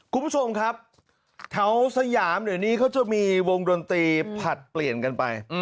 คุณผู้ชมครับแถวสยามเดี๋ยวนี้เขาจะมีวงดนตรีผลัดเปลี่ยนกันไป